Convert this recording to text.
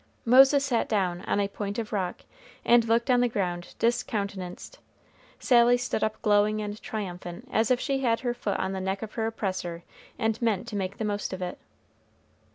Moses sat down on a point of rock, and looked on the ground discountenanced. Sally stood up glowing and triumphant, as if she had her foot on the neck of her oppressor and meant to make the most of it.